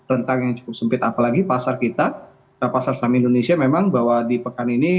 jadi itu adalah hal yang cukup sempit apalagi pasar kita pasar saham indonesia memang bahwa di pekan ini